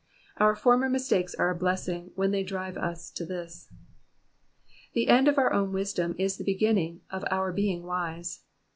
Our former mistakes are a blessing, when they drive us to this. The end of our own wisdom is the beginning of our being wise.